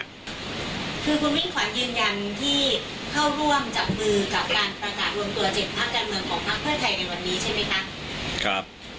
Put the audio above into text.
คุณวิ่งขวายืนยันที่เข้าร่วมจับมือกับการประกาศรวมตัวเจ็ดภาคการเมืองของฮัฯเฟอร์ไทยในวันนี้ใช่มั้ยคะ